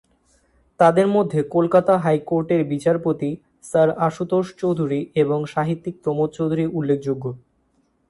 তাদের মধ্যে কলকাতা হাইকোর্টের বিচারপতি স্যার আশুতোষ চৌধুরী এবং সাহিত্যিক প্রমথ চৌধুরী উল্লেখযোগ্য।